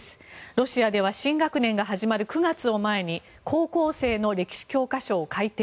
ロシアでは新学年が始まる９月を前に高校生の歴史教科書を改訂。